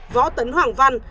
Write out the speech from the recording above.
võ tấn hoàng văn